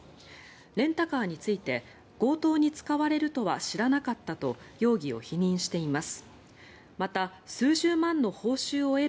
レンタカーについて強盗に使われるとは知らなかったと容疑を否認しています。